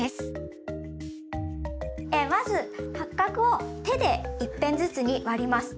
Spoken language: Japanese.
まず八角を手で一片ずつに割ります。